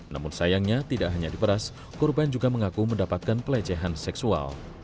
namun sayangnya tidak hanya diperas korban juga mengaku mendapatkan pelecehan seksual